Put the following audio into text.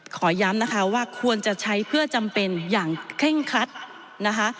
ขอย้ำนะคะว่าควรจะใช้เพื่อจำเป็นอย่างเคร่งครัดนะคะ